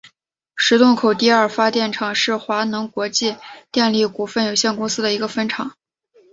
石洞口第二发电厂是华能国际电力股份有限公司的一个分厂。